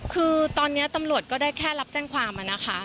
คือตอนนี้ตำรวจก็ได้แค่รับแจ้งความมานะคะ